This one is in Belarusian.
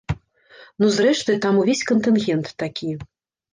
Ну, зрэшты, там увесь кантынгент такі.